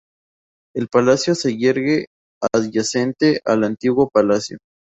El palacio se yergue adyacente al Antiguo Palacio.